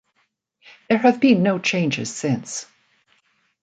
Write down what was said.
There have been no changes since.